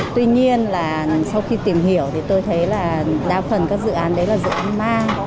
tuy nhiên là sau khi tìm hiểu thì tôi thấy là đa phần các dự án đấy là dự án ma